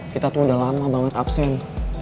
kita tuh udah lama banget absen